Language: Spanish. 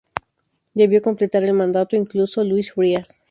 Debió completar el mandato inconcluso Luis Frías.